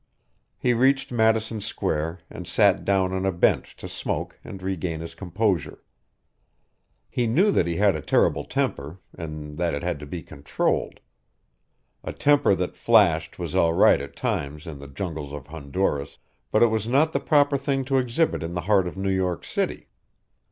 He reached Madison Square, and sat down on a bench to smoke and regain his composure. He knew that he had a terrible temper, and that it had to be controlled. A temper that flashed was all right at times in the jungles of Honduras, but it was not the proper thing to exhibit in the heart of New York City.